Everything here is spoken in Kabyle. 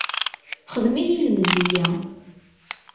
Xdem-iyi lemzeyya.